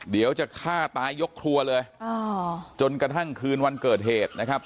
เดี๋ยวจะฆ่าตายยกครัวเลยจนกระทั่งคืนวันเกิดเหตุนะครับ